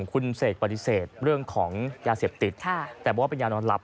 คุณเสกปฏิเสธเรื่องของยาเสพติดแต่ว่าเป็นยานอนหลับ